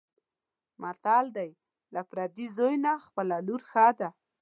متل دی: له پردي زوی نه خپله لور ښه ده.